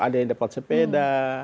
ada yang dapat sepeda